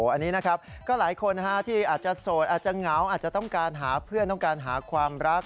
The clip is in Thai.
อันนี้นะครับก็หลายคนที่อาจจะโสดอาจจะเหงาอาจจะต้องการหาเพื่อนต้องการหาความรัก